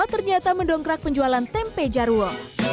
ternyata mendongkrak penjualan tempe jarwo